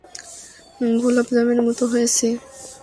গোলাপজামের মতো হয়েছে।